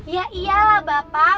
ya iyalah bapak